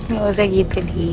gak usah gitu di